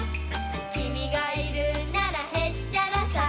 「君がいるならへっちゃらさ」